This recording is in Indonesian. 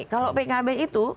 kalau pkb itu